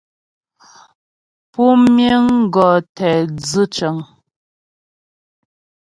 Pú miŋ gɔ̌ tɛ dzʉ cəŋ.